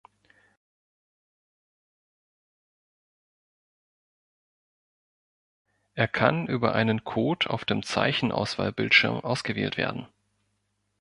Er kann über einen Code auf dem Zeichenauswahlbildschirm ausgewählt werden.